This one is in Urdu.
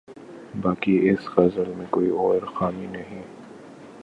باقی اس غزل میں کوئی اور خامی نہیں۔